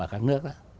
ở các nước đó